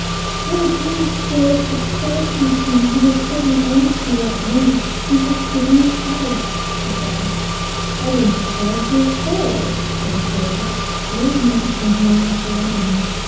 "Pray do not stay. If the troll comes home he will put an end to you at once; he has three heads," said she. "I do not care if he has four," said the soldier. "I am here, and here I shall remain."